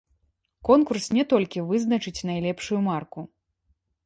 Конкурс не толькі вызначыць найлепшую марку.